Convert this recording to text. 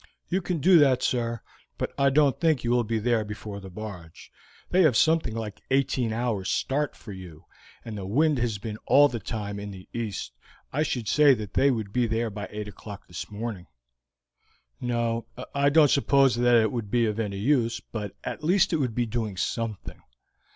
"You can do that, sir, but I don't think you will be there before the barge; they have something like eighteen hours' start for you, and the wind has been all the time in the east. I should say that they would be there by eight o'clock this morning." "No, I don't know that it would be of any use, but at least it would be doing something.